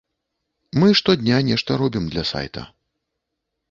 Мы штодня нешта робім для сайта.